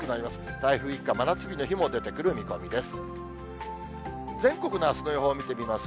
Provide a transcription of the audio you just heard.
台風一過、真夏日の日も出てくる見込みです。